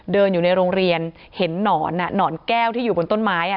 เดินอยู่ในโรงเรียนเห็นนอนอะหนอนแก้วที่อยู่ของต้นไม้อ่ะ